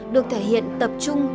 được thể hiện tập trung